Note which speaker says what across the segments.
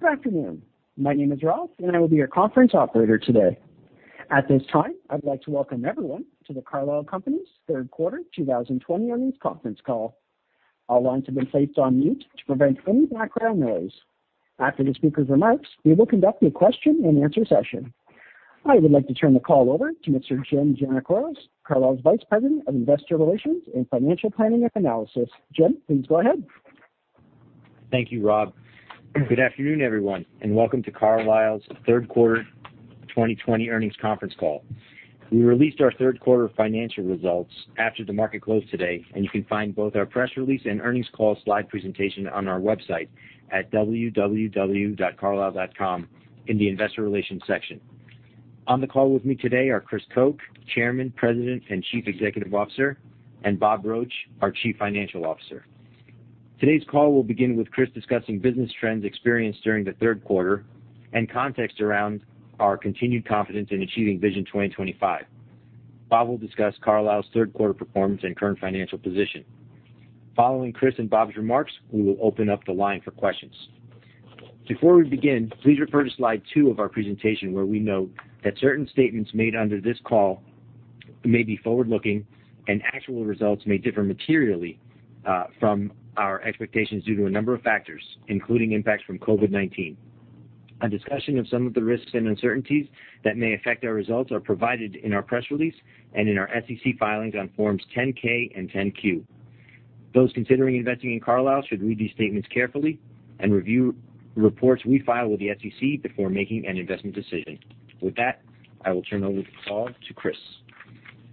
Speaker 1: Good afternoon. My name is Rob, and I will be your conference operator today. At this time, I'd like to welcome everyone to the Carlisle Companies Third Quarter 2020 on this conference call. All lines have been placed on mute to prevent any background noise. After the speaker's remarks, we will conduct a question-and-answer session. I would like to turn the call over to Mr. Jim Giannakouros, Carlisle's Vice President of Investor Relations and Financial Planning and Analysis. Jim, please go ahead.
Speaker 2: Thank you, Rob. Good afternoon, everyone, and welcome to Carlisle's Third Quarter, 2020, earnings conference call. We released our third quarter financial results after the market closed today, and you can find both our press release and earnings call slide presentation on our website at www.carlisle.com in the Investor Relations section. On the call with me today are Chris Koch, Chairman, President, and Chief Executive Officer, and Bob Roche, our Chief Financial Officer. Today's call will begin with Chris discussing business trends experienced during the third quarter and context around our continued confidence in achieving Vision 2025. Bob will discuss Carlisle's third quarter performance and current financial position. Following Chris and Bob's remarks, we will open up the line for questions. Before we begin, please refer to slide two of our presentation where we note that certain statements made under this call may be forward-looking, and actual results may differ materially from our expectations due to a number of factors, including impacts from COVID-19. A discussion of some of the risks and uncertainties that may affect our results is provided in our press release and in our SEC filings on Forms 10-K and 10-Q. Those considering investing in Carlisle should read these statements carefully and review reports we file with the SEC before making an investment decision. With that, I will turn over the call to Chris.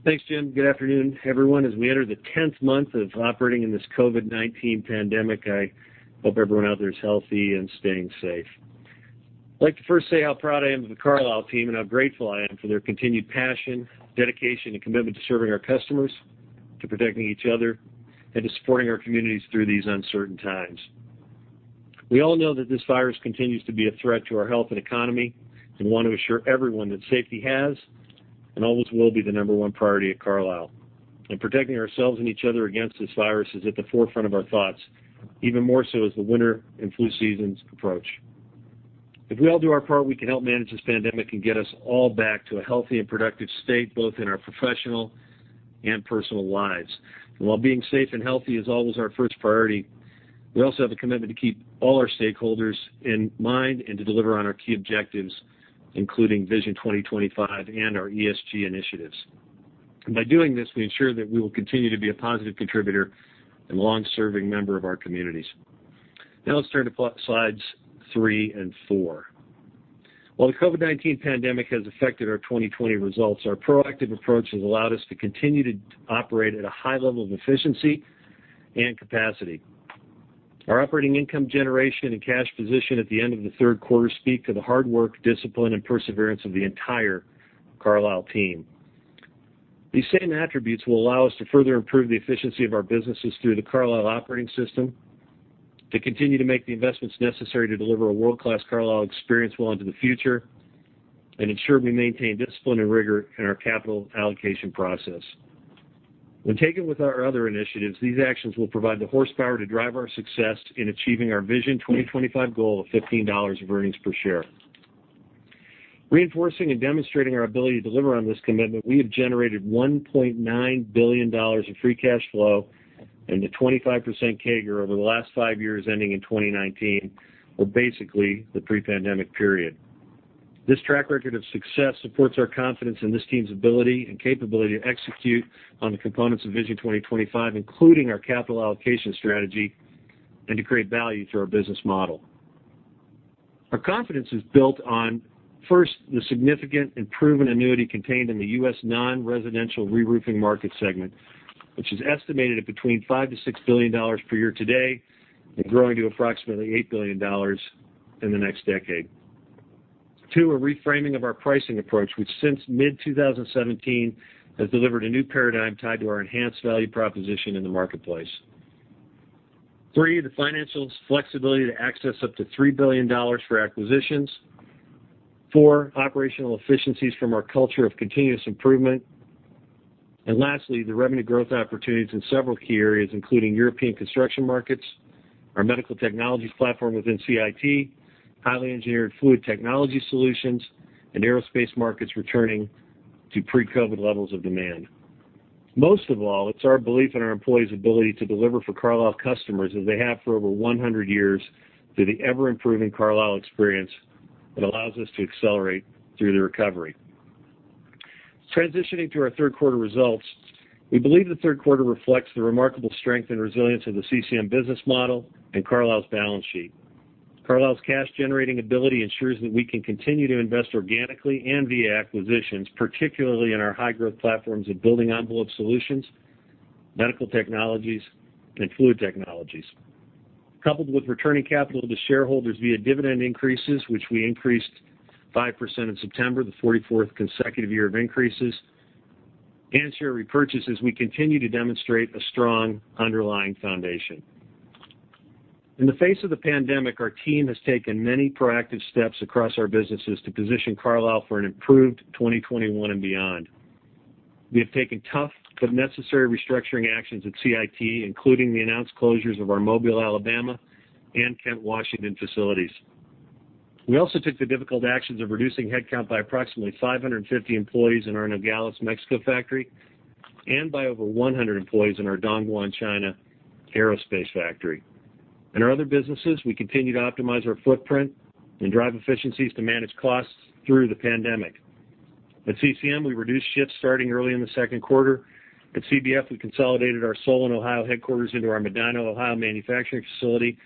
Speaker 3: Thanks, Jim. Good afternoon, everyone. As we enter the 10th month of operating in this COVID-19 pandemic, I hope everyone out there is healthy and staying safe. I'd like to first say how proud I am of the Carlisle team and how grateful I am for their continued passion, dedication, and commitment to serving our customers, to protecting each other, and to supporting our communities through these uncertain times. We all know that this virus continues to be a threat to our health and economy and want to assure everyone that safety has and always will be the number one priority at Carlisle, and protecting ourselves and each other against this virus is at the forefront of our thoughts, even more so as the winter and flu seasons approach. If we all do our part, we can help manage this pandemic and get us all back to a healthy and productive state, both in our professional and personal lives. And while being safe and healthy is always our first priority, we also have a commitment to keep all our stakeholders in mind and to deliver on our key objectives, including Vision 2025 and our ESG initiatives. And by doing this, we ensure that we will continue to be a positive contributor and long-serving member of our communities. Now let's turn to slides three and four. While the COVID-19 pandemic has affected our 2020 results, our proactive approach has allowed us to continue to operate at a high level of efficiency and capacity. Our operating income generation and cash position at the end of the third quarter speak to the hard work, discipline, and perseverance of the entire Carlisle team. These same attributes will allow us to further improve the efficiency of our businesses through the Carlisle Operating System, to continue to make the investments necessary to deliver a world-class Carlisle Experience well into the future, and ensure we maintain discipline and rigor in our capital allocation process. When taken with our other initiatives, these actions will provide the horsepower to drive our success in achieving our Vision 2025 goal of $15 of earnings per share. Reinforcing and demonstrating our ability to deliver on this commitment, we have generated $1.9 billion of free cash flow and a 25% CAGR over the last five years ending in 2019, or basically the pre-pandemic period. This track record of success supports our confidence in this team's ability and capability to execute on the components of Vision 2025, including our capital allocation strategy, and to create value through our business model. Our confidence is built on, first, the significant and proven annuity contained in the U.S. non-residential reroofing market segment, which is estimated at between $5-$6 billion per year today and growing to approximately $8 billion in the next decade. Two, a reframing of our pricing approach, which since mid-2017 has delivered a new paradigm tied to our enhanced value proposition in the marketplace. Three, the financial flexibility to access up to $3 billion for acquisitions. Four, operational efficiencies from our culture of continuous improvement. And lastly, the revenue growth opportunities in several key areas, including European construction markets, our medical technologies platform within CIT, highly engineered fluid technology solutions, and aerospace markets returning to pre-COVID levels of demand. Most of all, it's our belief in our employees' ability to deliver for Carlisle customers as they have for over 100 years through the ever-improving Carlisle experience that allows us to accelerate through the recovery. Transitioning to our third quarter results, we believe the third quarter reflects the remarkable strength and resilience of the CCM business model and Carlisle's balance sheet. Carlisle's cash-generating ability ensures that we can continue to invest organically and via acquisitions, particularly in our high-growth platforms of building envelope solutions, medical technologies, and fluid technologies. Coupled with returning capital to shareholders via dividend increases, which we increased 5% in September, the 44th consecutive year of increases, and share repurchases, we continue to demonstrate a strong underlying foundation. In the face of the pandemic, our team has taken many proactive steps across our businesses to position Carlisle for an improved 2021 and beyond. We have taken tough but necessary restructuring actions at CIT, including the announced closures of our Mobile, Alabama, and Kent, Washington facilities. We also took the difficult actions of reducing headcount by approximately 550 employees in our Nogales, Mexico, factory and by over 100 employees in our Dongguan, China, aerospace factory. In our other businesses, we continue to optimize our footprint and drive efficiencies to manage costs through the pandemic. At CCM, we reduced shifts starting early in the second quarter. At CBF, we consolidated our Solon, Ohio headquarters into our Medina, Ohio, manufacturing facility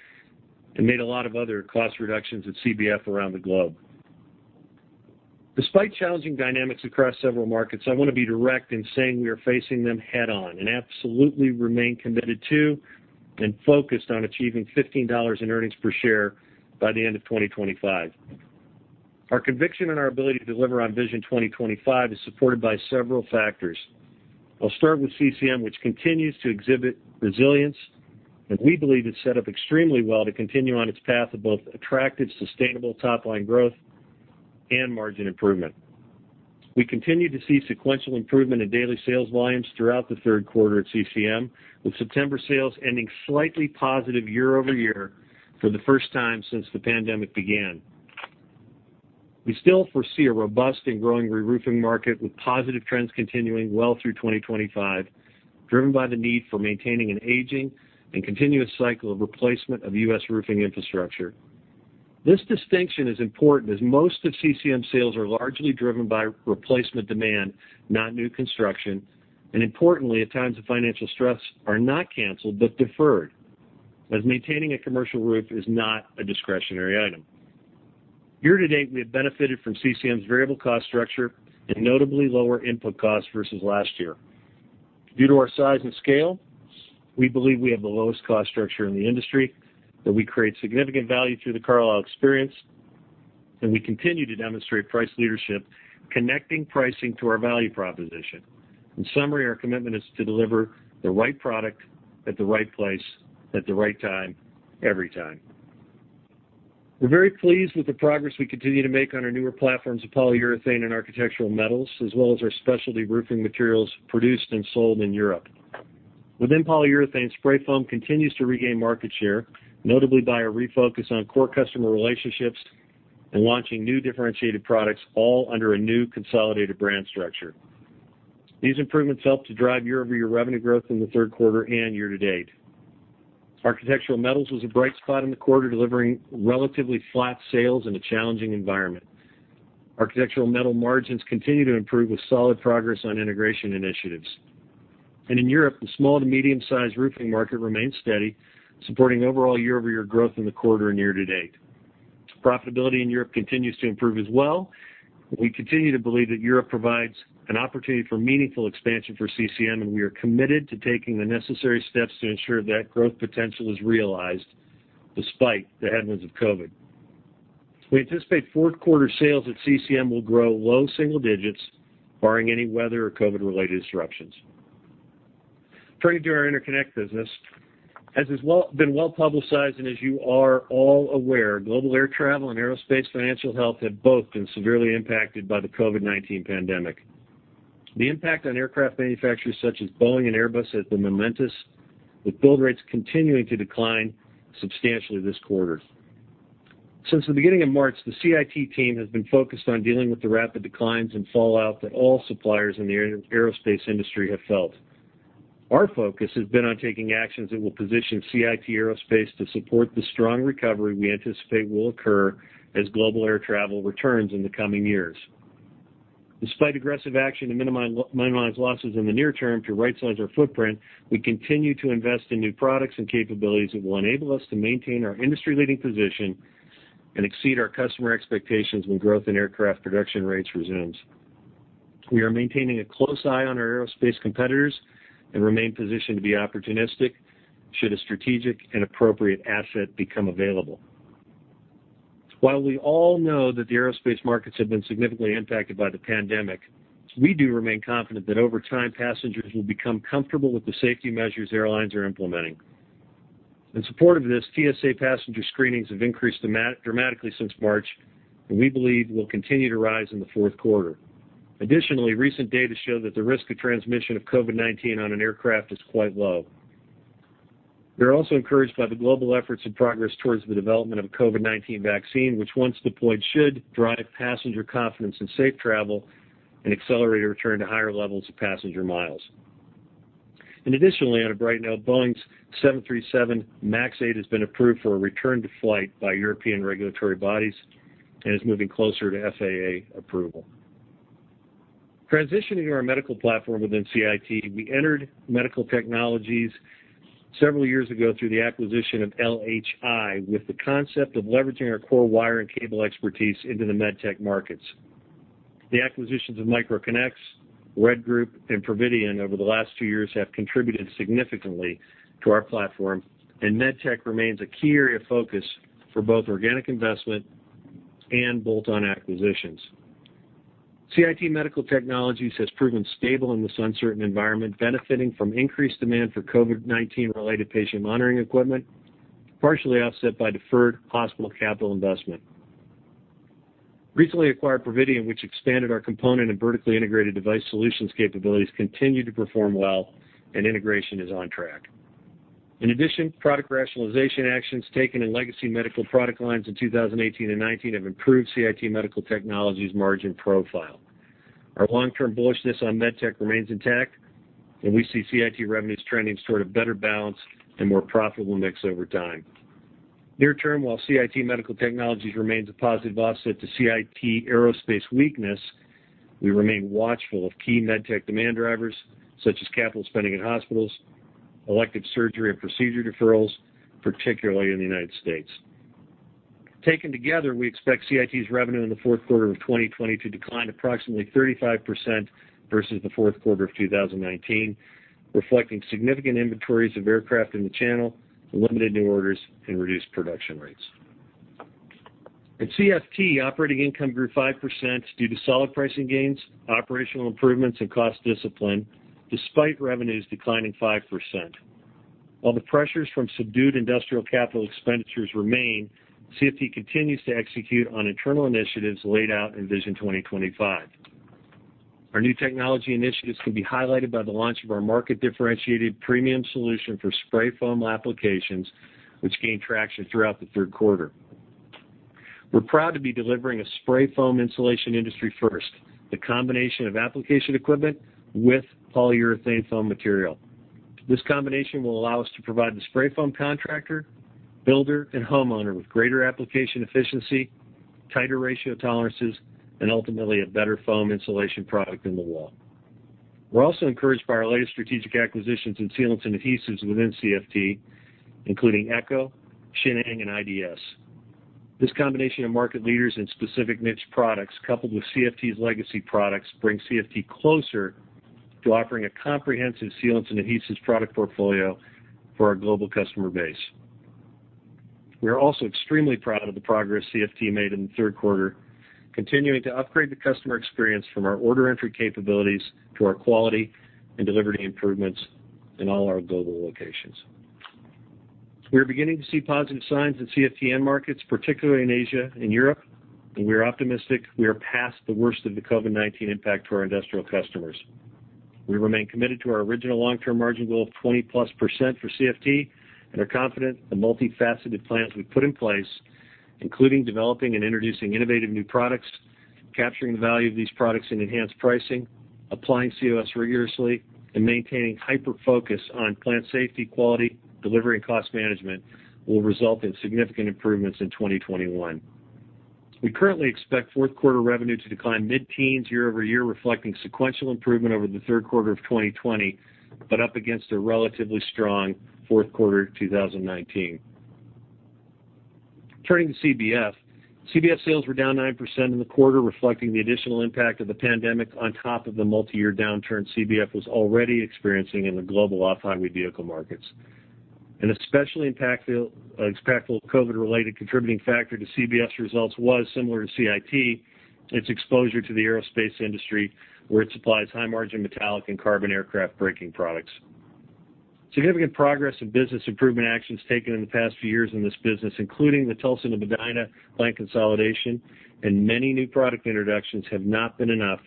Speaker 3: and made a lot of other cost reductions at CBF around the globe. Despite challenging dynamics across several markets, I want to be direct in saying we are facing them head-on and absolutely remain committed to and focused on achieving $15 in earnings per share by the end of 2025. Our conviction in our ability to deliver on Vision 2025 is supported by several factors. I'll start with CCM, which continues to exhibit resilience, and we believe it's set up extremely well to continue on its path of both attractive, sustainable top-line growth and margin improvement. We continue to see sequential improvement in daily sales volumes throughout the third quarter at CCM, with September sales ending slightly positive year over year for the first time since the pandemic began. We still foresee a robust and growing reroofing market with positive trends continuing well through 2025, driven by the need for maintaining an aging and continuous cycle of replacement of U.S. roofing infrastructure. This distinction is important as most of CCM's sales are largely driven by replacement demand, not new construction, and importantly, at times the financial stress are not canceled but deferred, as maintaining a commercial roof is not a discretionary item. Year to date, we have benefited from CCM's variable cost structure and notably lower input costs versus last year. Due to our size and scale, we believe we have the lowest cost structure in the industry, that we create significant value through the Carlisle Experience, and we continue to demonstrate price leadership, connecting pricing to our value proposition. In summary, our commitment is to deliver the right product at the right place, at the right time, every time. We're very pleased with the progress we continue to make on our newer platforms of polyurethane and Architectural Metals, as well as our specialty roofing materials produced and sold in Europe. Within polyurethane, spray foam continues to regain market share, notably by our refocus on core customer relationships and launching new differentiated products, all under a new consolidated brand structure. These improvements help to drive year-over-year revenue growth in the third quarter and year to date. Architectural Metals was a bright spot in the quarter, delivering relatively flat sales in a challenging environment. Architectural Metals margins continue to improve with solid progress on integration initiatives, and in Europe, the small to medium-sized roofing market remains steady, supporting overall year-over-year growth in the quarter and year to date. Profitability in Europe continues to improve as well. We continue to believe that Europe provides an opportunity for meaningful expansion for CCM, and we are committed to taking the necessary steps to ensure that growth potential is realized despite the headwinds of COVID. We anticipate fourth-quarter sales at CCM will grow low single digits, barring any weather or COVID-related disruptions. Turning to our interconnect business, as has been well publicized and as you are all aware, global air travel and aerospace financial health have both been severely impacted by the COVID-19 pandemic. The impact on aircraft manufacturers such as Boeing and Airbus has been momentous, with build rates continuing to decline substantially this quarter. Since the beginning of March, the CIT team has been focused on dealing with the rapid declines and fallout that all suppliers in the aerospace industry have felt. Our focus has been on taking actions that will position CIT Aerospace to support the strong recovery we anticipate will occur as global air travel returns in the coming years. Despite aggressive action to minimize losses in the near term to right-size our footprint, we continue to invest in new products and capabilities that will enable us to maintain our industry-leading position and exceed our customer expectations when growth in aircraft production rates resumes. We are maintaining a close eye on our aerospace competitors and remain positioned to be opportunistic should a strategic and appropriate asset become available. While we all know that the aerospace markets have been significantly impacted by the pandemic, we do remain confident that over time, passengers will become comfortable with the safety measures airlines are implementing. In support of this, TSA passenger screenings have increased dramatically since March, and we believe will continue to rise in the fourth quarter. Additionally, recent data show that the risk of transmission of COVID-19 on an aircraft is quite low. We are also encouraged by the global efforts and progress towards the development of a COVID-19 vaccine, which once deployed should drive passenger confidence in safe travel and accelerate a return to higher levels of passenger miles, and additionally, on a bright note, Boeing's 737 MAX 8 has been approved for a return to flight by European regulatory bodies and is moving closer to FAA approval. Transitioning to our medical platform within CIT, we entered medical technologies several years ago through the acquisition of LHI, with the concept of leveraging our core wire and cable expertise into the medtech markets. The acquisitions of MicroConnex, Red Group, and Providien over the last two years have contributed significantly to our platform, and medtech remains a key area of focus for both organic investment and bolt-on acquisitions. CIT Medical Technologies has proven stable in this uncertain environment, benefiting from increased demand for COVID-19-related patient monitoring equipment, partially offset by deferred hospital capital investment. Recently acquired Providien, which expanded our component and vertically integrated device solutions capabilities, continued to perform well, and integration is on track. In addition, product rationalization actions taken in legacy medical product lines in 2018 and 2019 have improved CIT Medical Technologies' margin profile. Our long-term bullishness on medtech remains intact, and we see CIT revenues trending toward a better balance and more profitable mix over time. Near term, while CIT Medical Technologies remains a positive offset to CIT Aerospace weakness, we remain watchful of key medtech demand drivers such as capital spending in hospitals, elective surgery and procedure deferrals, particularly in the United States. Taken together, we expect CIT's revenue in the fourth quarter of 2020 to decline approximately 35% versus the fourth quarter of 2019, reflecting significant inventories of aircraft in the channel, limited new orders, and reduced production rates. At CFT, operating income grew 5% due to solid pricing gains, operational improvements, and cost discipline, despite revenues declining 5%. While the pressures from subdued industrial capital expenditures remain, CFT continues to execute on internal initiatives laid out in Vision 2025. Our new technology initiatives can be highlighted by the launch of our market-differentiated premium solution for spray foam applications, which gained traction throughout the third quarter. We're proud to be delivering a spray foam insulation industry first, the combination of application equipment with polyurethane foam material. This combination will allow us to provide the spray foam contractor, builder, and homeowner with greater application efficiency, tighter ratio tolerances, and ultimately a better foam insulation product in the wall. We're also encouraged by our latest strategic acquisitions in sealants and adhesives within CFT, including Ecco, Shinhang, and IDS. This combination of market leaders and specific niche products, coupled with CFT's legacy products, brings CFT closer to offering a comprehensive sealants and adhesives product portfolio for our global customer base. We are also extremely proud of the progress CFT made in the third quarter, continuing to upgrade the customer experience from our order entry capabilities to our quality and delivery improvements in all our global locations. We are beginning to see positive signs in CFT and markets, particularly in Asia and Europe, and we are optimistic we are past the worst of the COVID-19 impact for our industrial customers. We remain committed to our original long-term margin goal of 20-plus% for CFT and are confident the multifaceted plans we put in place, including developing and introducing innovative new products, capturing the value of these products and enhanced pricing, applying COS rigorously, and maintaining hyper-focus on plant safety, quality, delivery, and cost management, will result in significant improvements in 2021. We currently expect fourth-quarter revenue to decline mid-teens, year-over-year, reflecting sequential improvement over the third quarter of 2020, but up against a relatively strong fourth quarter 2019. Turning to CBF, CBF sales were down 9% in the quarter, reflecting the additional impact of the pandemic on top of the multi-year downturn CBF was already experiencing in the global off-highway vehicle markets. An especially impactful COVID-related contributing factor to CBF's results was, similar to CIT, its exposure to the aerospace industry, where it supplies high-margin metallic and carbon aircraft braking products. Significant progress and business improvement actions taken in the past few years in this business, including the Tulsa to Medina plant consolidation and many new product introductions, have not been enough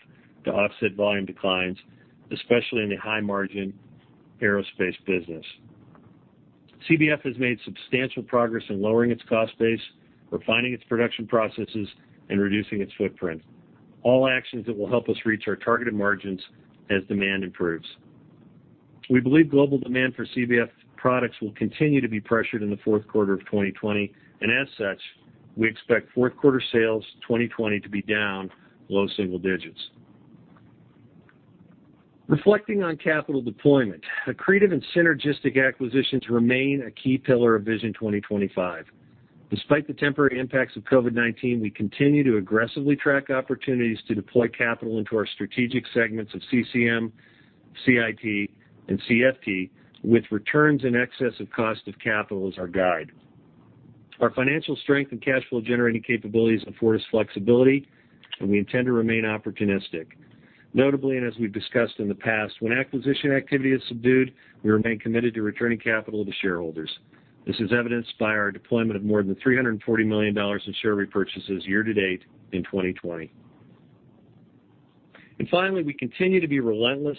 Speaker 3: to offset volume declines, especially in the high-margin aerospace business. CBF has made substantial progress in lowering its cost base, refining its production processes, and reducing its footprint, all actions that will help us reach our targeted margins as demand improves. We believe global demand for CBF products will continue to be pressured in the fourth quarter of 2020, and as such, we expect fourth-quarter sales 2020 to be down low single digits. Reflecting on capital deployment, accretive and synergistic acquisitions remain a key pillar of Vision 2025. Despite the temporary impacts of COVID-19, we continue to aggressively track opportunities to deploy capital into our strategic segments of CCM, CIT, and CFT, with returns in excess of cost of capital as our guide. Our financial strength and cash flow-generating capabilities afford us flexibility, and we intend to remain opportunistic. Notably, and as we've discussed in the past, when acquisition activity is subdued, we remain committed to returning capital to shareholders. This is evidenced by our deployment of more than $340 million in share repurchases year to date in 2020, and finally, we continue to be relentless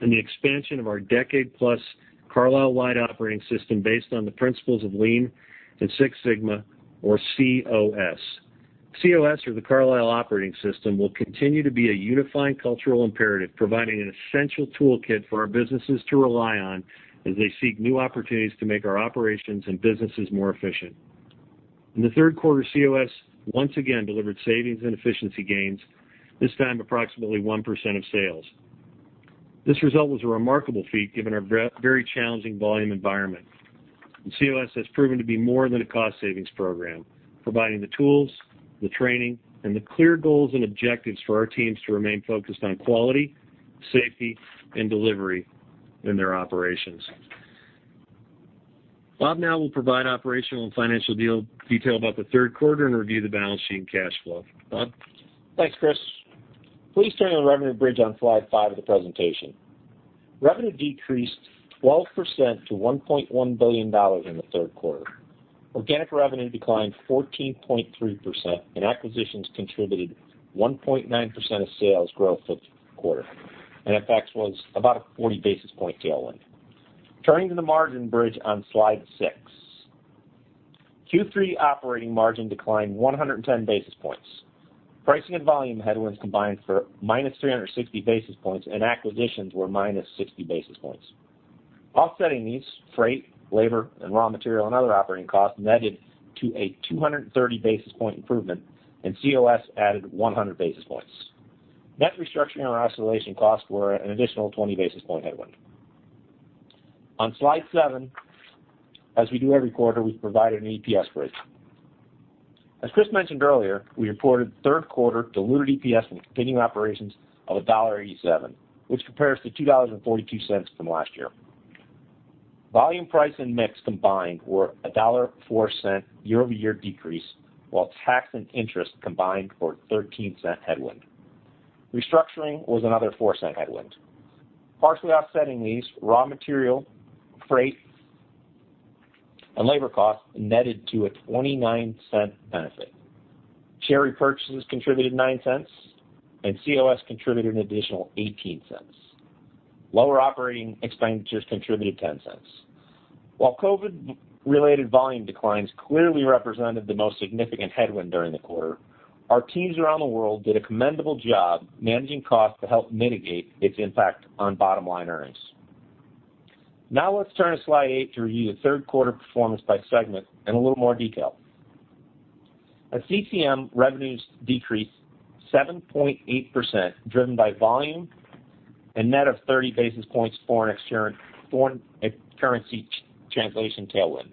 Speaker 3: in the expansion of our decade-plus Carlisle-wide operating system based on the principles of Lean and Six Sigma, or COS. COS, or the Carlisle Operating System, will continue to be a unifying cultural imperative, providing an essential toolkit for our businesses to rely on as they seek new opportunities to make our operations and businesses more efficient. In the third quarter, COS once again delivered savings and efficiency gains, this time approximately 1% of sales. This result was a remarkable feat given our very challenging volume environment. COS has proven to be more than a cost-savings program, providing the tools, the training, and the clear goals and objectives for our teams to remain focused on quality, safety, and delivery in their operations. Bob now will provide operational and financial detail about the third quarter and review the balance sheet and cash flow. Bob.
Speaker 4: Thanks, Chris. Please turn to the revenue bridge on slide five of the presentation. Revenue decreased 12% to $1.1 billion in the third quarter. Organic revenue declined 14.3%, and acquisitions contributed 1.9% of sales growth for the quarter. FX was about a 40 basis point tailwind. Turning to the margin bridge on slide six, Q3 operating margin declined 110 basis points. Pricing and volume headwinds combined for minus 360 basis points, and acquisitions were minus 60 basis points. Offsetting these, freight, labor, and raw material and other operating costs netted to a 230 basis point improvement, and COS added 100 basis points. Net restructuring or isolation costs were an additional 20 basis point headwind. On slide seven, as we do every quarter, we've provided an EPS bridge. As Chris mentioned earlier, we reported third quarter diluted EPS from continuing operations of $1.87, which compares to $2.42 from last year. Volume, price, and mix combined were $1.04 year-over-year decrease, while tax and interest combined for a $0.13 headwind. Restructuring was another $0.04 headwind. Partially offsetting these, raw material, freight, and labor costs netted to a $0.29 benefit. Share repurchases contributed $0.09, and COS contributed an additional $0.18. Lower operating expenditures contributed $0.10. While COVID-related volume declines clearly represented the most significant headwind during the quarter, our teams around the world did a commendable job managing costs to help mitigate its impact on bottom-line earnings. Now let's turn to slide eight to review the third quarter performance by segment in a little more detail. At CCM, revenues decreased 7.8%, driven by volume and net of 30 basis points foreign currency translation tailwind.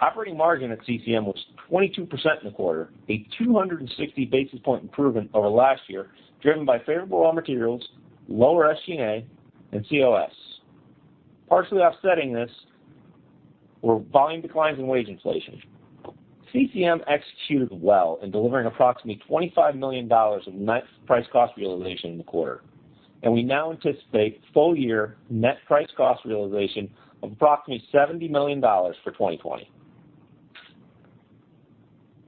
Speaker 4: Operating margin at CCM was 22% in the quarter, a 260 basis point improvement over last year, driven by favorable raw materials, lower SG&A, and COS. Partially offsetting this were volume declines in wage inflation. CCM executed well in delivering approximately $25 million of net price-cost realization in the quarter, and we now anticipate full-year net price-cost realization of approximately $70 million for 2020.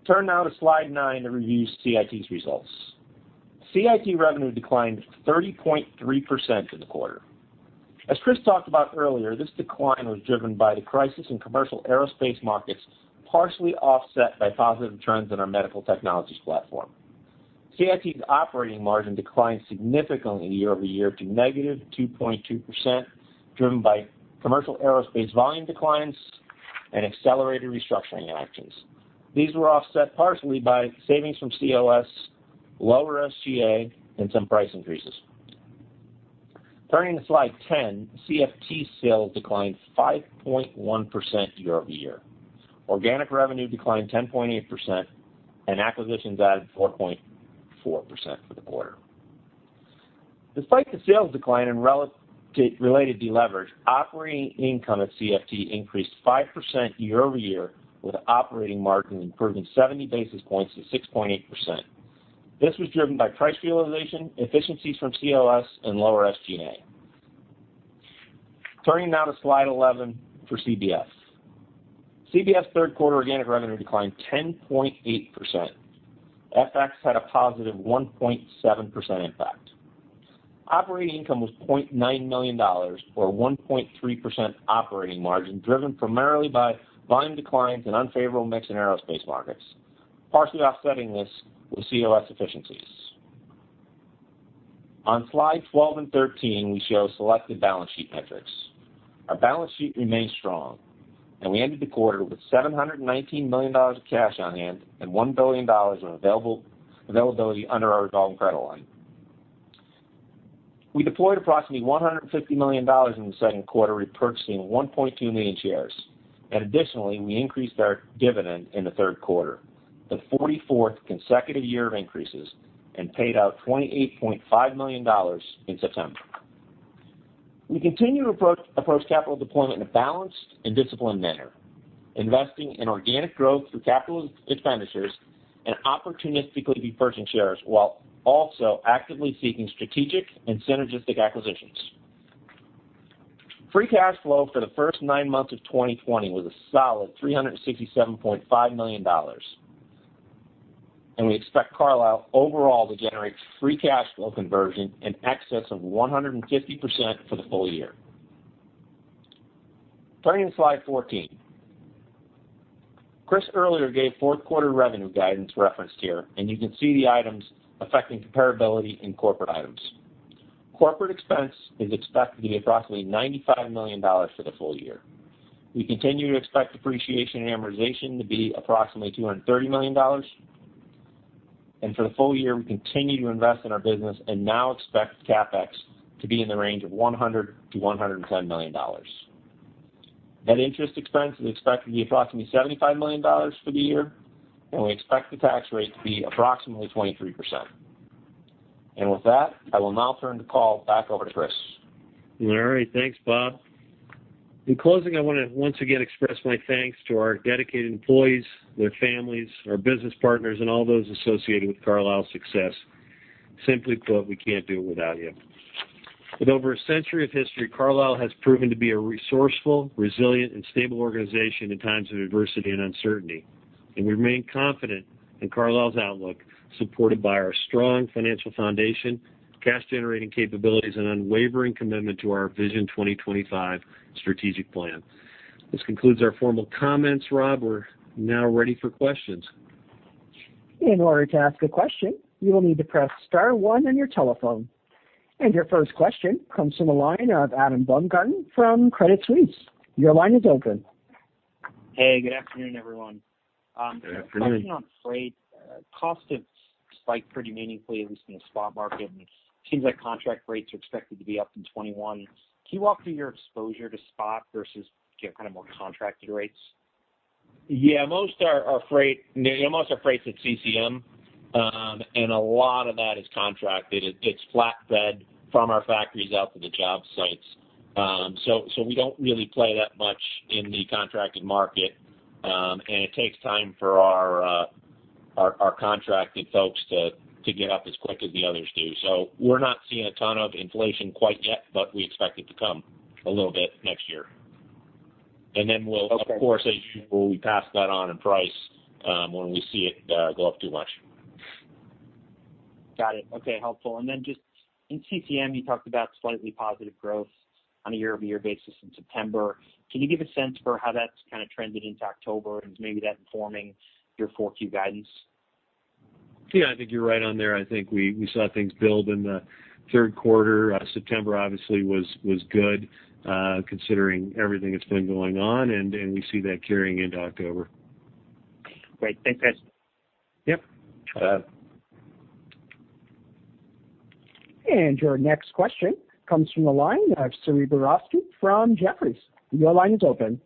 Speaker 4: Turn now to slide nine to review CIT's results. CIT revenue declined 30.3% in the quarter. As Chris talked about earlier, this decline was driven by the crisis in commercial aerospace markets, partially offset by positive trends in our medical technologies platform. CIT's operating margin declined significantly year-over-year to negative 2.2%, driven by commercial aerospace volume declines and accelerated restructuring actions. These were offset partially by savings from COS, lower SG&A, and some price increases. Turning to slide 10, CFT sales declined 5.1% year-over-year. Organic revenue declined 10.8%, and acquisitions added 4.4% for the quarter. Despite the sales decline and related deleverage, operating income at CFT increased 5% year-over-year, with operating margin improving 70 basis points to 6.8%. This was driven by price realization, efficiencies from COS, and lower SG&A. Turning now to slide 11 for CBF. CBF's third quarter organic revenue declined 10.8%. FX had a positive 1.7% impact. Operating income was $0.9 million, or 1.3% operating margin, driven primarily by volume declines and unfavorable mix in aerospace markets, partially offsetting this with COS efficiencies. On slide 12 and 13, we show selected balance sheet metrics. Our balance sheet remains strong, and we ended the quarter with $719 million of cash on hand and $1 billion of availability under our revolving credit line. We deployed approximately $150 million in the second quarter, repurchasing 1.2 million shares, and additionally, we increased our dividend in the third quarter, the 44th consecutive year of increases, and paid out $28.5 million in September. We continue to approach capital deployment in a balanced and disciplined manner, investing in organic growth through capital expenditures and opportunistically repurchasing shares, while also actively seeking strategic and synergistic acquisitions. Free cash flow for the first nine months of 2020 was a solid $367.5 million, and we expect Carlisle overall to generate free cash flow conversion in excess of 150% for the full year. Turning to slide 14, Chris earlier gave fourth quarter revenue guidance referenced here, and you can see the items affecting comparability in corporate items. Corporate expense is expected to be approximately $95 million for the full year. We continue to expect depreciation and amortization to be approximately $230 million, and for the full year, we continue to invest in our business and now expect CapEx to be in the range of $100-$110 million. Net interest expense is expected to be approximately $75 million for the year, and we expect the tax rate to be approximately 23%. And with that, I will now turn the call back over to Chris.
Speaker 3: All right. Thanks, Bob. In closing, I want to once again express my thanks to our dedicated employees, their families, our business partners, and all those associated with Carlisle's success. Simply put, we can't do it without you. With over a century of history, Carlisle has proven to be a resourceful, resilient, and stable organization in times of adversity and uncertainty. And we remain confident in Carlisle's outlook, supported by our strong financial foundation, cash-generating capabilities, and unwavering commitment to our Vision 2025 strategic plan. This concludes our formal comments. Rob, we're now ready for questions.
Speaker 1: In order to ask a question, you will need to press star one on your telephone. Your first question comes from the line of Adam Baumgarten from Credit Suisse. Your line is open.
Speaker 5: Hey, good afternoon, everyone.
Speaker 3: Good afternoon.
Speaker 5: Question on freight cost spike pretty meaningfully, at least in the spot market, and it seems like contract rates are expected to be up in 2021. Can you walk through your exposure to spot versus kind of more contracted rates?
Speaker 3: Yeah. Most are freight at CCM, and a lot of that is contracted. It is flatbed from our factories out to the job sites. So we do not really play that much in the contracted market, and it takes time for our contracted folks to get up as quick as the others do. So we are not seeing a ton of inflation quite yet, but we expect it to come a little bit next year. And then we'll, of course, as usual, we pass that on in price when we see it go up too much.
Speaker 5: Got it. Okay. Helpful. And then just in CCM, you talked about slightly positive growth on a year-over-year basis in September. Can you give a sense for how that's kind of trended into October and maybe that informing your forward guidance?
Speaker 3: Yeah. I think you're right on there. I think we saw things build in the third quarter. September, obviously, was good considering everything that's been going on, and we see that carrying into October. Great.
Speaker 5: Thanks, guys.
Speaker 3: Yep. Bye.
Speaker 1: And your next question comes from the line of Saree Boroditsky from Jefferies. Your line is open.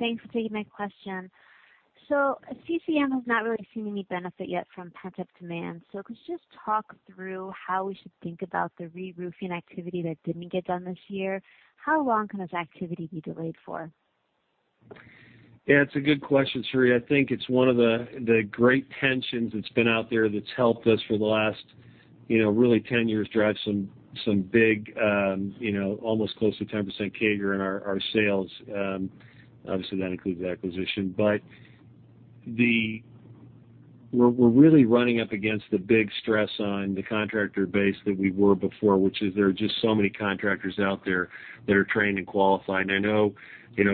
Speaker 6: Thanks for taking my question. So CCM has not really seen any benefit yet from pent-up demand. So could you just talk through how we should think about the re-roofing activity that didn't get done this year? How long can this activity be delayed for?
Speaker 3: Yeah. It's a good question, Saree. I think it's one of the great tensions that's been out there that's helped us for the last, really, 10 years drive some big, almost close to 10% CAGR in our sales. Obviously, that includes acquisition. But we're really running up against the big stress on the contractor base that we were before, which is there are just so many contractors out there that are trained and qualified. And I know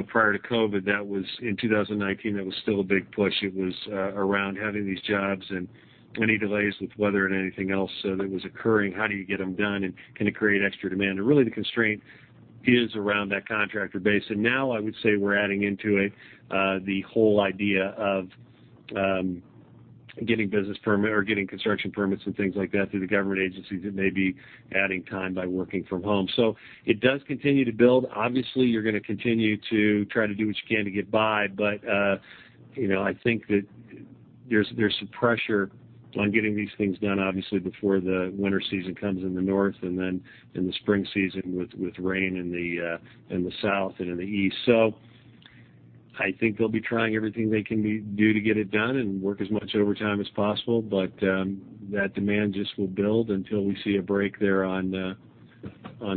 Speaker 3: prior to COVID, that was in 2019, that was still a big push. It was around having these jobs and any delays with weather and anything else that was occurring. How do you get them done, and can it create extra demand? And really, the constraint is around that contractor base. And now I would say we're adding into it the whole idea of getting business permit or getting construction permits and things like that through the government agencies that may be adding time by working from home. So it does continue to build. Obviously, you're going to continue to try to do what you can to get by, but I think that there's some pressure on getting these things done, obviously, before the winter season comes in the north and then in the spring season with rain in the south and in the east. So I think they'll be trying everything they can do to get it done and work as much overtime as possible, but that demand just will build until we see a break there on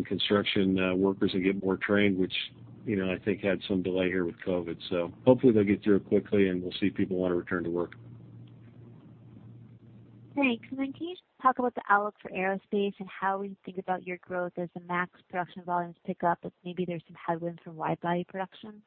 Speaker 3: construction workers and get more trained, which I think had some delay here with COVID. So hopefully, they'll get through it quickly, and we'll see people want to return to work.
Speaker 6: Thanks. And then can you talk about the outlook for aerospace and how we think about your growth as the max production volumes pick up if maybe there's some headwinds from wide-body production?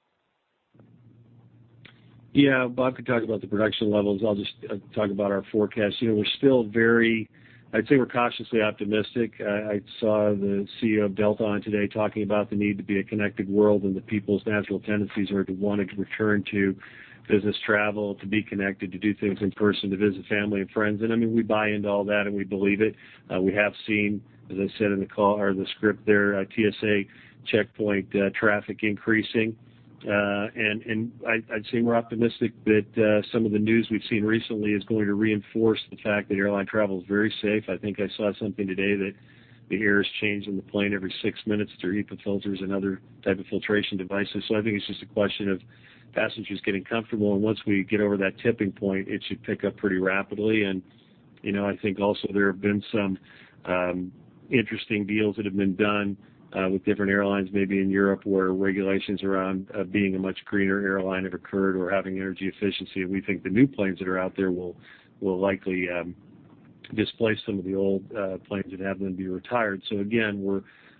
Speaker 3: Yeah. Bob can talk about the production levels. I'll just talk about our forecast. We're still very. I'd say we're cautiously optimistic. I saw the CEO of Delta on TV today talking about the need to be a connected world, and the people's natural tendencies are to want to return to business travel, to be connected, to do things in person, to visit family and friends. And I mean, we buy into all that, and we believe it. We have seen, as I said in the script there, TSA checkpoint traffic increasing. And I'd say we're optimistic that some of the news we've seen recently is going to reinforce the fact that airline travel is very safe. I think I saw something today that the air is changed in the plane every six minutes through HEPA filters and other types of filtration devices. So I think it's just a question of passengers getting comfortable. And once we get over that tipping point, it should pick up pretty rapidly. And I think also there have been some interesting deals that have been done with different airlines maybe in Europe where regulations around being a much greener airline have occurred or having energy efficiency. And we think the new planes that are out there will likely displace some of the old planes and have them be retired. So again,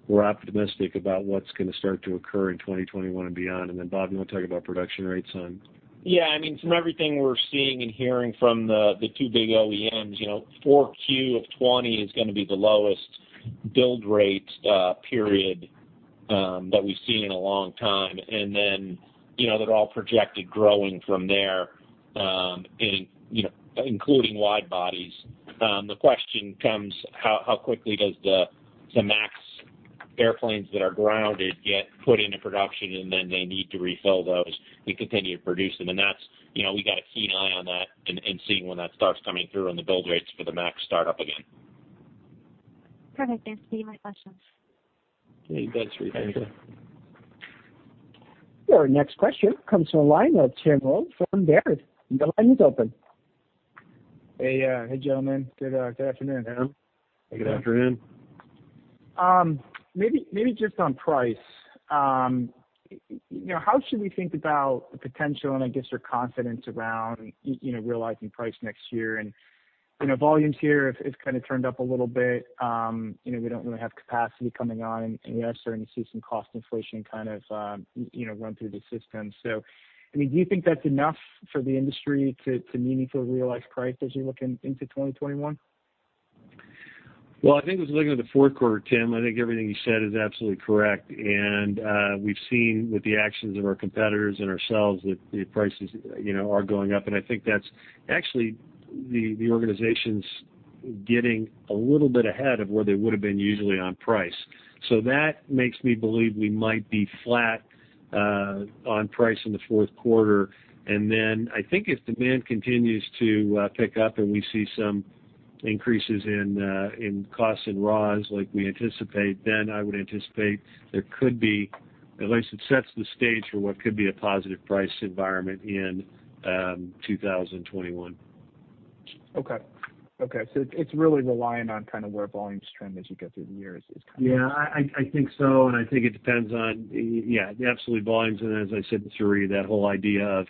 Speaker 3: we're optimistic about what's going to start to occur in 2021 and beyond. And then, Bob, you want to talk about production rates on?
Speaker 4: Yeah. I mean, from everything we're seeing and hearing from the two big OEMs, Q4 of 2020 is going to be the lowest build rate period that we've seen in a long time. And then they're all projected growing from there, including wide-bodies. The question comes, how quickly does the MAX airplanes that are grounded get put into production, and then they need to refill those and continue to produce them? And we got a keen eye on that and seeing when that starts coming through and the build rates for the MAX start up again.
Speaker 6: Perfect. Thanks for taking my questions.
Speaker 3: Thank you.
Speaker 4: Thanks, Siri. Thank you.
Speaker 1: Your next question comes from the line of Tim Wojs from Baird. The line is open.
Speaker 7: Hey. Hey, gentlemen. Good afternoon.
Speaker 3: Hey. Good afternoon.
Speaker 7: Maybe just on price, how should we think about the potential and, I guess, your confidence around realizing price next year? And volumes here have kind of turned up a little bit. We don't really have capacity coming on, and we are starting to see some cost inflation kind of run through the system.
Speaker 3: So I mean, do you think that's enough for the industry to meaningfully realize price as you look into 2021? Well, I think as we look into the fourth quarter, Tim, I think everything you said is absolutely correct. And we've seen with the actions of our competitors and ourselves that the prices are going up. And I think that's actually the organization's getting a little bit ahead of where they would have been usually on price. So that makes me believe we might be flat on price in the fourth quarter. And then I think if demand continues to pick up and we see some increases in costs and ROS like we anticipate, then I would anticipate there could be, at least it sets the stage for what could be a positive price environment in 2021.
Speaker 7: Okay. Okay. So it's really relying on kind of where volumes trend as you go through the year, is kind of.
Speaker 3: Yeah. I think so. And I think it depends on, yeah, absolutely volumes. And as I said, Siri, that whole idea of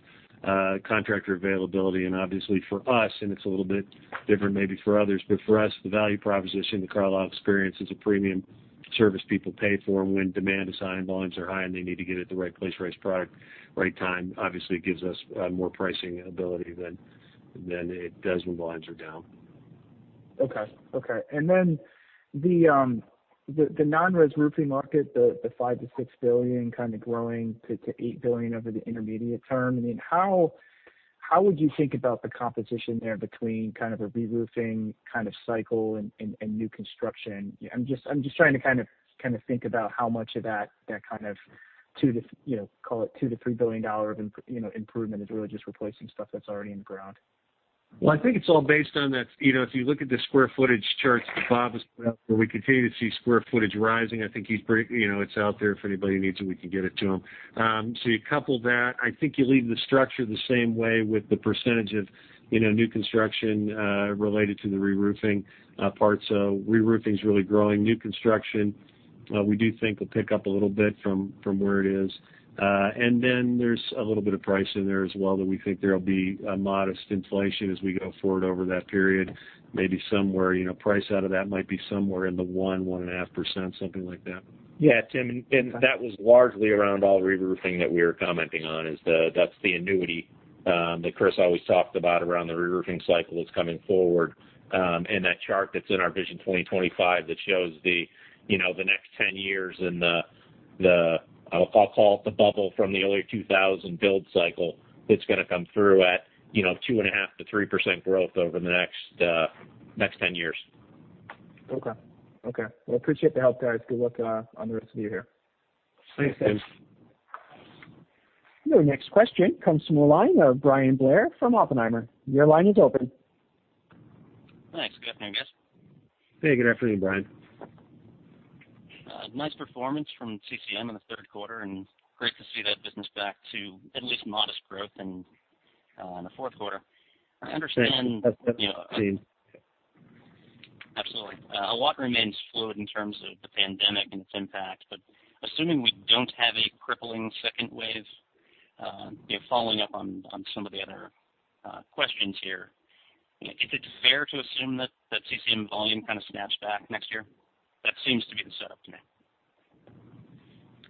Speaker 3: contractor availability. And obviously, for us, and it's a little bit different maybe for others, but for us, the value proposition, the Carlisle Experience is a premium service people pay for. And when demand is high and volumes are high and they need to get it at the right place, right product, right time, obviously gives us more pricing ability than it does when volumes are down.
Speaker 7: Okay. Okay. And then the non-res roofing market, the $5-$6 billion kind of growing to $8 billion over the intermediate term. I mean, how would you think about the composition there between kind of a re-roofing kind of cycle and new construction? I'm just trying to kind of think about how much of that kind of, call it $2 billion-$3 billion improvement is really just replacing stuff that's already in the ground?
Speaker 3: Well, I think it's all based on that. If you look at the square footage charts that Bob has put up, where we continue to see square footage rising, I think it's out there. If anybody needs it, we can get it to him. So you couple that. I think you lead the structure the same way with the percentage of new construction related to the re-roofing part. So re-roofing is really growing. New construction, we do think will pick up a little bit from where it is. Then there's a little bit of price in there as well that we think there will be modest inflation as we go forward over that period. Maybe somewhere price out of that might be somewhere in the 1%-1.5%, something like that.
Speaker 4: Yeah. Tim, and that was largely around all reroofing that we were commenting on. That's the annuity that Chris always talked about around the reroofing cycle that's coming forward. And that chart that's in our Vision 2025 that shows the next 10 years and the, I'll call it, bubble from the early 2000 build cycle that's going to come through at 2.5%-3% growth over the next 10 years.
Speaker 7: Okay. Okay. Well, appreciate the help, guys. Good luck on the rest of you here. Thanks, guys.
Speaker 1: Your next question comes from the line of Bryan Blair from Oppenheimer. Your line is open.
Speaker 8: Hi. Good afternoon, guys.
Speaker 3: Hey. Good afternoon, Bryan. Nice performance from CCM in the third quarter and great to see that business back to at least modest growth in the fourth quarter. I understand. Absolutely. A lot remains fluid in terms of the pandemic and its impact, but assuming we don't have a crippling second wave, following up on some of the other questions here, is it fair to assume that CCM volume kind of snaps back next year? That seems to be the setup to me.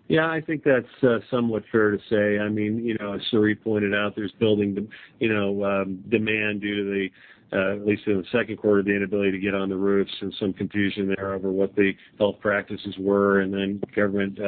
Speaker 3: Yeah. I think that's somewhat fair to say. I mean, as Chris pointed out, there's building demand due to the, at least in the second quarter, the inability to get on the roofs and some confusion there over what the health practices were. And then government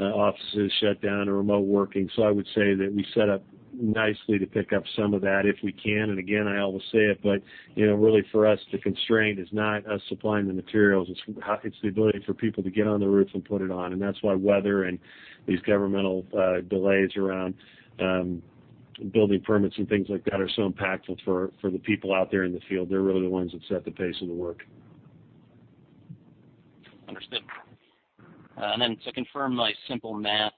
Speaker 3: offices shut down and remote working. So I would say that we set up nicely to pick up some of that if we can. And again, I always say it, but really for us, the constraint is not us supplying the materials. It's the ability for people to get on the roof and put it on. And that's why weather and these governmental delays around building permits and things like that are so impactful for the people out there in the field. They're really the ones that set the pace of the work.
Speaker 8: Understood. And then to confirm my simple math,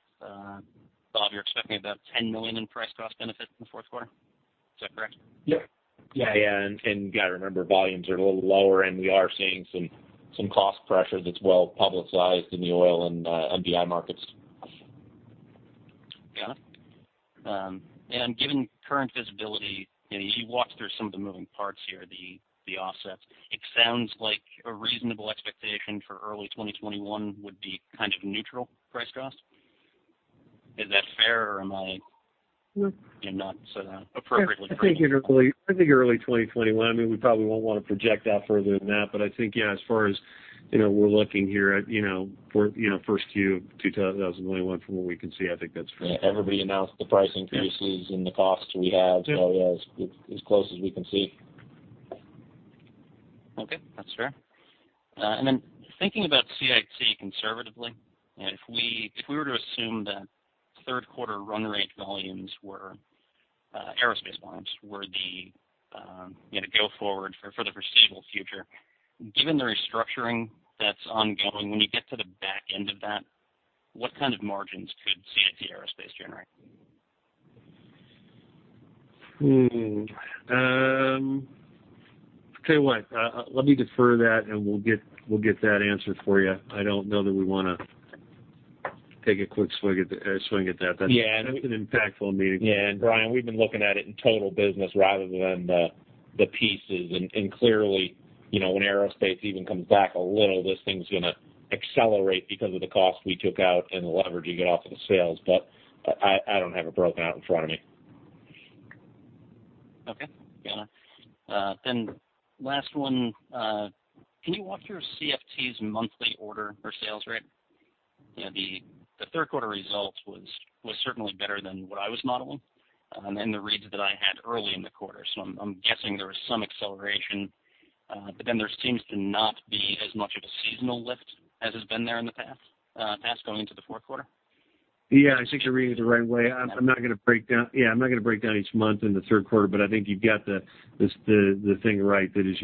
Speaker 8: Bob, you're expecting about $10 million in price cost benefit in the fourth quarter. Is that correct?
Speaker 4: Yep. Yeah. Yeah. And you got to remember, volumes are a little lower, and we are seeing some cost pressure that's well publicized in the oil and MDI markets.
Speaker 8: Got it. And given current visibility, you walked through some of the moving parts here, the offsets. It sounds like a reasonable expectation for early 2021 would be kind of neutral price cost. Is that fair, or am I not appropriately?
Speaker 3: I think early 2021. I mean, we probably won't want to project out further than that. But I think, yeah, as far as we're looking here at first Q 2021 from what we can see. I think that's fair.
Speaker 4: Yeah. Everybody announced the price increases and the costs we have. So yeah, as close as we can see.
Speaker 8: Okay. That's fair. And then thinking about CIT conservatively, if we were to assume that third quarter run rate volumes were the aerospace volumes for the go-forward for the foreseeable future, given the restructuring that's ongoing, when you get to the back end of that, what kind of margins could CIT aerospace generate?
Speaker 4: Tell you what, let me defer that, and we'll get that answer for you. I don't know that we want to take a quick swing at that. That's an impactful meeting.
Speaker 3: Yeah. Brian, we've been looking at it in total business rather than the pieces. And clearly, when aerospace even comes back a little, this thing's going to accelerate because of the cost we took out and the leverage you get off of the sales. But I don't have it broken out in front of me.
Speaker 8: Okay. Got it. Then last one, can you walk through CFT's monthly order or sales rate? The third quarter result was certainly better than what I was modeling and the reads that I had early in the quarter. So I'm guessing there was some acceleration, but then there seems to not be as much of a seasonal lift as has been there in the past going into the fourth quarter.
Speaker 3: Yeah. I think you're reading it the right way. I'm not going to break down, yeah, I'm not going to break down each month in the third quarter, but I think you've got the thing right that as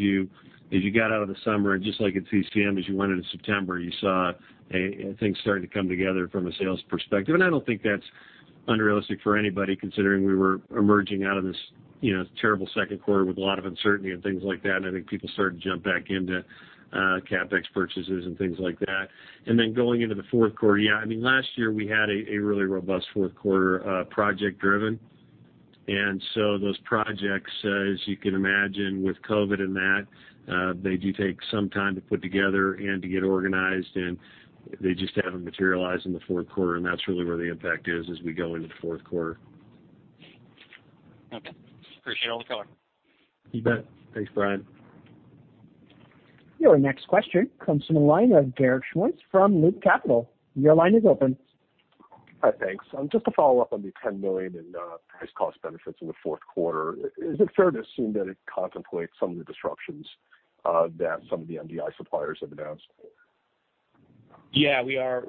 Speaker 3: you got out of the summer, and just like at CCM, as you went into September, you saw things starting to come together from a sales perspective. And I don't think that's unrealistic for anybody considering we were emerging out of this terrible second quarter with a lot of uncertainty and things like that. And I think people started to jump back into CapEx purchases and things like that. And then going into the fourth quarter, yeah, I mean, last year we had a really robust fourth quarter project-driven. And so those projects, as you can imagine, with COVID and that, they do take some time to put together and to get organized, and they just haven't materialized in the fourth quarter. And that's really where the impact is as we go into the fourth quarter.
Speaker 8: Okay. Appreciate all the color.
Speaker 3: You bet. Thanks, Brian.
Speaker 1: Your next question comes from the line of Garik Shmois from Loop Capital. Your line is open.
Speaker 9: Hi. Thanks. Just to follow up on the $10 million in price cost benefits in the fourth quarter, is it fair to assume that it contemplates some of the disruptions that some of the MDI suppliers have announced?
Speaker 4: Yeah. We are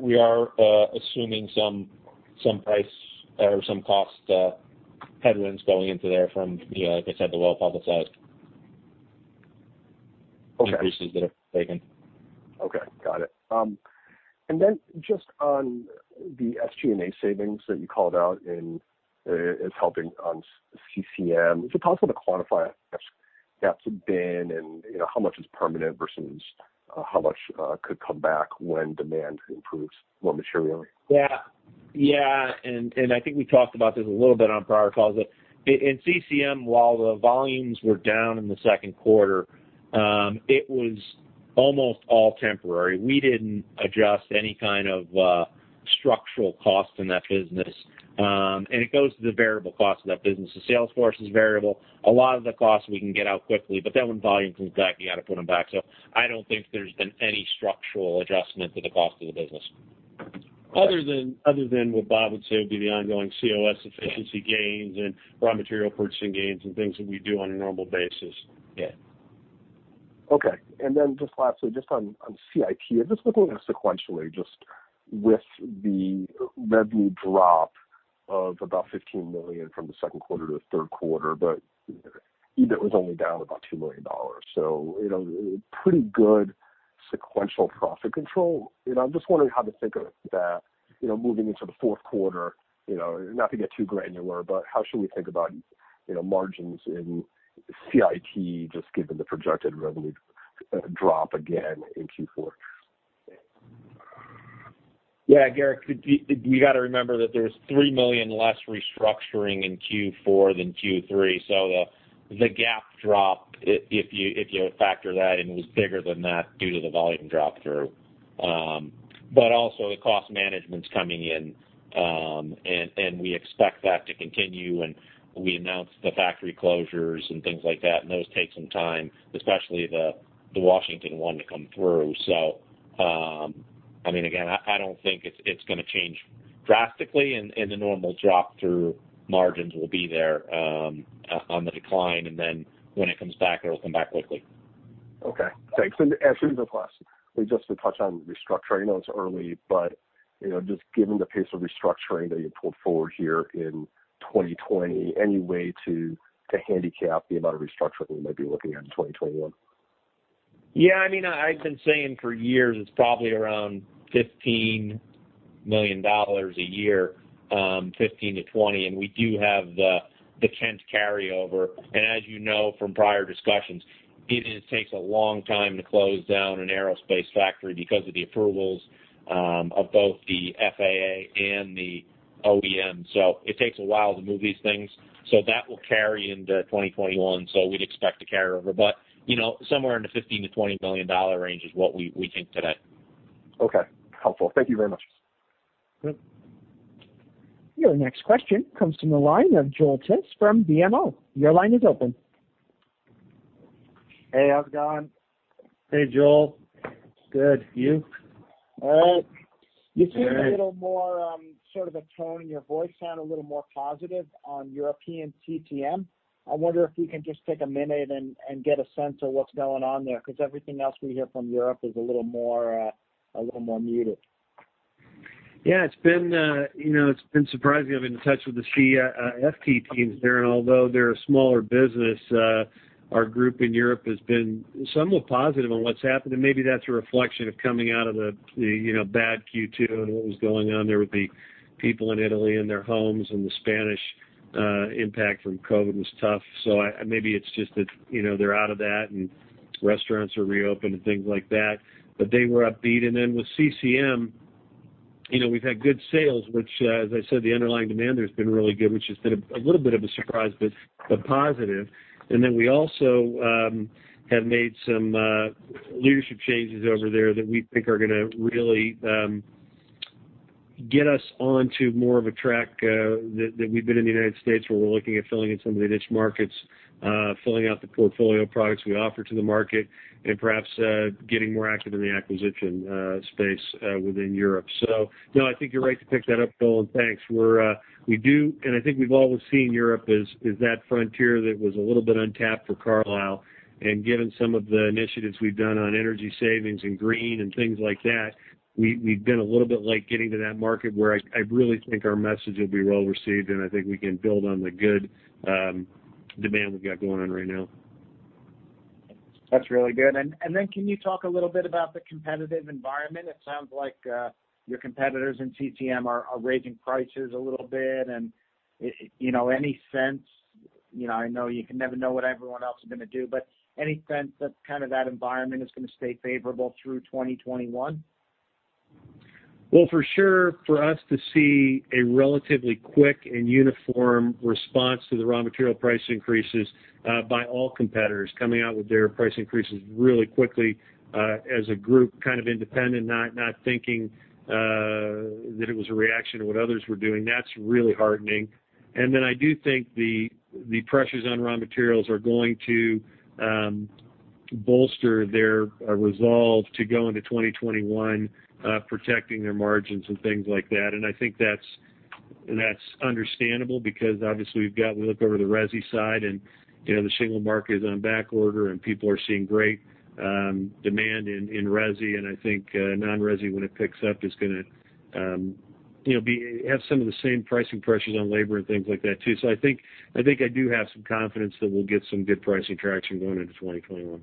Speaker 4: assuming some price or some cost headwinds going into there from, like I said, the well-publicized increases that have taken.
Speaker 9: Okay. Got it. And then just on the SG&A savings that you called out as helping on CCM, is it possible to quantify how much G&A's have been and how much is permanent versus how much could come back when demand improves more materially?
Speaker 4: Yeah. Yeah. And I think we talked about this a little bit on prior calls. In CCM, while the volumes were down in the second quarter, it was almost all temporary. We didn't adjust any kind of structural cost in that business. And it goes to the variable cost of that business. The sales force is variable. A lot of the costs we can get out quickly, but then when volumes come back, you got to put them back. So I don't think there's been any structural adjustment to the cost of the business
Speaker 3: other than what Bob would say would be the ongoing COS efficiency gains and raw material purchasing gains and things that we do on a normal basis.
Speaker 4: Yeah.
Speaker 9: Okay. And then just lastly, just on CIT, just looking at it sequentially, just with the revenue drop of about $15 million from the second quarter to the third quarter, but EBIT was only down about $2 million. So pretty good sequential profit control. I'm just wondering how to think of that moving into the fourth quarter, not to get too granular, but how should we think about margins in CIT just given the projected revenue drop again in Q4?
Speaker 3: Yeah. Garik, we got to remember that there was $3 million less restructuring in Q4 than Q3. So the gap drop, if you factor that in, was bigger than that due to the volume drop through. But also the cost management's coming in, and we expect that to continue. And we announced the factory closures and things like that, and those take some time, especially the Washington one to come through. So I mean, again, I don't think it's going to change drastically, and the normal drop-through margins will be there on the decline. And then when it comes back, it'll come back quickly.
Speaker 9: Okay. Thanks. And as soon as I pass, we just touch on restructuring. I know it's early, but just given the pace of restructuring that you pulled forward here in 2020, any way to handicap the amount of restructuring we might be looking at in 2021?
Speaker 4: Yeah. I mean, I've been saying for years it's probably around $15 million a year, $15 million-$20 million. And we do have the tenth carryover. And as you know from prior discussions, it takes a long time to close down an aerospace factory because of the approvals of both the FAA and the OEM. So it takes a while to move these things. So that will carry into 2021. So we'd expect a carryover. But somewhere in the $15 million-$20 million range is what we think today.
Speaker 9: Okay. Helpful. Thank you very much.
Speaker 1: Your next question comes from the line of Joel Tiss from BMO. Your line is open.
Speaker 10: Hey. How's it going?
Speaker 3: Hey, Joel. Good. You?
Speaker 10: All right. You seem a little more sort of a tone in your voice sound a little more positive on European CFT. I wonder if we can just take a minute and get a sense of what's going on there because everything else we hear from Europe is a little more muted.
Speaker 3: Yeah. It's been surprising. I've been in touch with the CFT teams there. Although they're a smaller business, our group in Europe has been somewhat positive on what's happened. Maybe that's a reflection of coming out of the bad Q2 and what was going on there with the people in Italy and their homes. The Spanish impact from COVID was tough. So maybe it's just that they're out of that and restaurants are reopened and things like that. But they were upbeat. And then with CCM, we've had good sales, which, as I said, the underlying demand there has been really good, which has been a little bit of a surprise but positive. And then we also have made some leadership changes over there that we think are going to really get us onto more of a track that we've been in the United States where we're looking at filling in some of the niche markets, filling out the portfolio products we offer to the market, and perhaps getting more active in the acquisition space within Europe. So no, I think you're right to pick that up, Joel. And thanks. And I think we've always seen Europe as that frontier that was a little bit untapped for Carlisle. And given some of the initiatives we've done on energy savings and green and things like that, we've been a little bit late getting to that market where I really think our message will be well received. And I think we can build on the good demand we've got going on right now.
Speaker 10: That's really good. And then can you talk a little bit about the competitive environment? It sounds like your competitors in CCM are raising prices a little bit. And any sense, I know you can never know what everyone else is going to do, but any sense that kind of environment is going to stay favorable through 2021?
Speaker 3: Well, for sure, for us to see a relatively quick and uniform response to the raw material price increases by all competitors coming out with their price increases really quickly as a group kind of independent, not thinking that it was a reaction to what others were doing, that's really heartening. And then I do think the pressures on raw materials are going to bolster their resolve to go into 2021, protecting their margins and things like that. And I think that's understandable because, obviously, we look over the resi side and the shingle market is on back order and people are seeing great demand in resi. And I think non-resi when it picks up is going to have some of the same pricing pressures on labor and things like that too. So I think I do have some confidence that we'll get some good pricing traction going into 2021.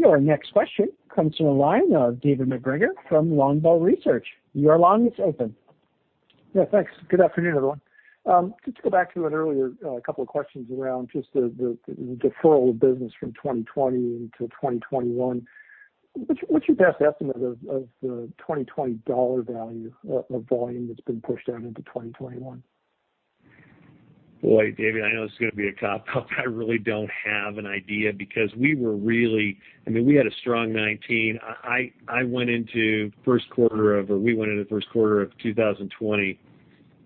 Speaker 1: Your next question comes from the line of David MacGregor from Longbow Research. Your line is open.
Speaker 11: Yeah. Thanks. Good afternoon, everyone. Just to go back to an earlier couple of questions around just the deferral of business from 2020 into 2021, what's your best estimate of the 2020 value of volume that's been pushed out into 2021?
Speaker 3: Boy, David, I know this is going to be a cop-out. I really don't have an idea because we were really. I mean, we had a strong 2019. I went into first quarter of, or we went into first quarter of 2020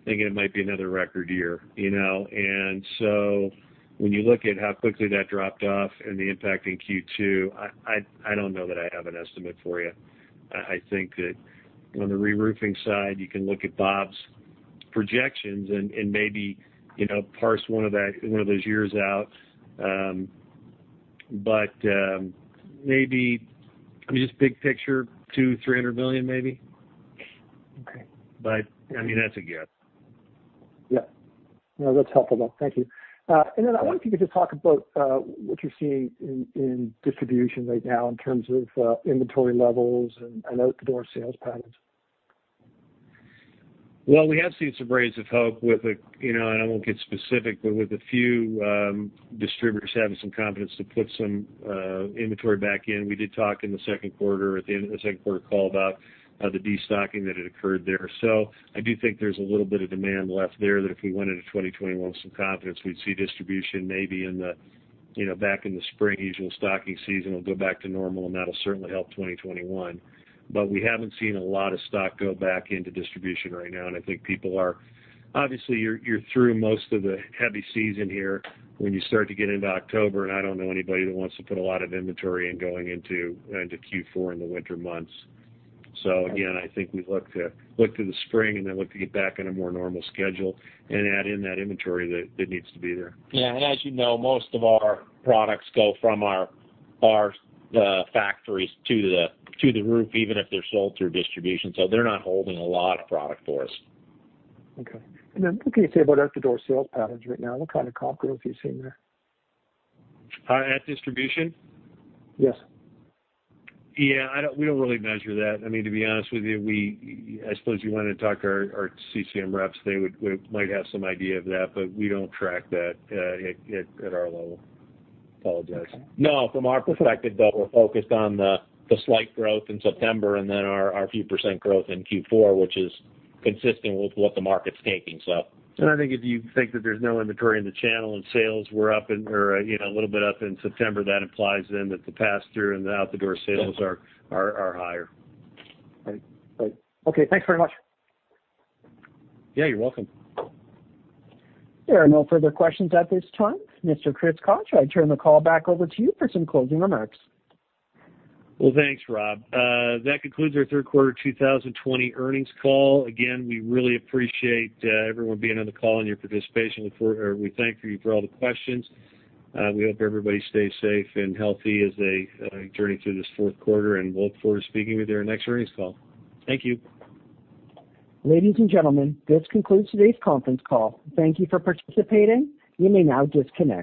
Speaker 3: thinking it might be another record year. And so when you look at how quickly that dropped off and the impact in Q2, I don't know that I have an estimate for you. I think that on the reroofing side, you can look at Bob's projections and maybe parse one of those years out. But maybe, I mean, just big picture, $200 million-$300 million maybe. But I mean, that's a guess.
Speaker 11: Yeah. No, that's helpful. Thank you. And then I wanted to get to talk about what you're seeing in distribution right now in terms of inventory levels and out-the-door sales patterns.
Speaker 3: Well, we have seen some rays of hope with, and I won't get specific, but with a few distributors having some confidence to put some inventory back in. We did talk in the second quarter at the end of the second quarter call about the destocking that had occurred there. So I do think there's a little bit of demand left there that if we went into 2021 with some confidence, we'd see distribution maybe back in the spring, usual stocking season, it'll go back to normal, and that'll certainly help 2021. But we haven't seen a lot of stock go back into distribution right now. And I think people are, obviously, you're through most of the heavy season here when you start to get into October, and I don't know anybody that wants to put a lot of inventory in going into Q4 in the winter months. So again, I think we look to the spring and then look to get back on a more normal schedule and add in that inventory that needs to be there.
Speaker 4: Yeah. And as you know, most of our products go from our factories to the roof, even if they're sold through distribution. So they're not holding a lot of product for us.
Speaker 11: Okay. And then what can you say about out-the-door sales patterns right now? What kind of confidence are you seeing there?
Speaker 3: At distribution?
Speaker 11: Yes.
Speaker 3: Yeah. We don't really measure that. I mean, to be honest with you, I suppose you wanted to talk to our CCM reps. They might have some idea of that, but we don't track that at our level. Apologize.
Speaker 4: No. From our perspective, though, we're focused on the slight growth in September and then our few percent growth in Q4, which is consistent with what the market's taking, so.
Speaker 3: And I think if you think that there's no inventory in the channel and sales were up or a little bit up in September, that implies then that the pass-through and the out-the-door sales are higher.
Speaker 11: Right. Right. Okay. Thanks very much.
Speaker 3: Yeah. You're welcome.
Speaker 1: There are no further questions at this time. Mr. Chris Koch, I turn the call back over to you for some closing remarks.
Speaker 3: Well, thanks, Rob. That concludes our third quarter 2020 earnings call. Again, we really appreciate everyone being on the call and your participation. We thank you for all the questions. We hope everybody stays safe and healthy as they journey through this fourth quarter, and we'll look forward to speaking with you at our next earnings call. Thank you.
Speaker 1: Ladies and gentlemen, this concludes today's conference call. Thank you for participating. You may now disconnect.